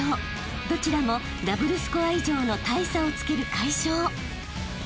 ［どちらもダブルスコア以上の大差をつける快勝］